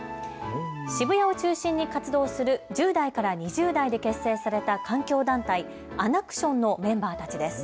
渋谷を中心に活動する１０代から２０代で結成された環境団体、アナクションのメンバーたちです。